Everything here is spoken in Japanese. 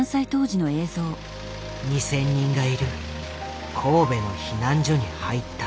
２，０００人がいる神戸の避難所に入った。